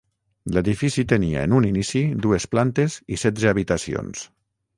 L'edifici tenia en un inici dues plantes i setze habitacions.